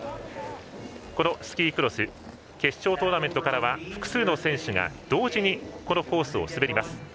スキークロス決勝トーナメントからは複数の選手が同時にこのコースを滑ります。